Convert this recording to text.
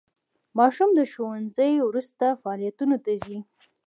ماشوم د ښوونځي وروسته فعالیتونو ته ځي.